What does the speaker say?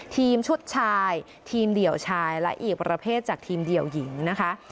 ทีมชุดชายทีมเดี่ยวชายและอีกประเภทจากทีมเดี่ยวหญิงนะคะ